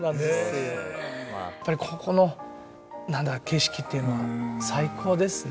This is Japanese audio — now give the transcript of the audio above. やっぱりここの景色っていうのは最高ですね。